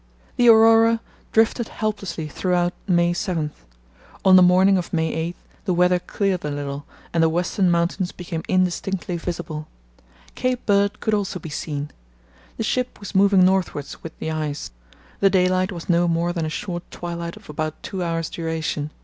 The Aurora drifted helplessly throughout May 7. On the morning of May 8 the weather cleared a little and the Western Mountains became indistinctly visible. Cape Bird could also be seen. The ship was moving northwards with the ice. The daylight was no more than a short twilight of about two hours' duration.